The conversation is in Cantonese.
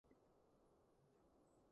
蛋糕蛋散雞蛋仔